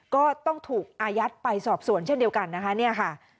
ก็ต้องถูกอายัดไปสอบสวนเช่นเดียวกันนะคะเนี่ยค่ะ